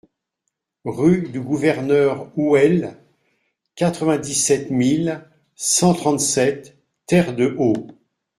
Rue du Gouverneur Houël, quatre-vingt-dix-sept mille cent trente-sept Terre-de-Haut